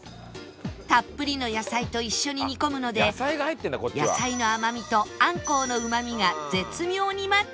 たっぷりの野菜と一緒に煮込むので野菜の甘みとあんこうのうまみが絶妙にマッチ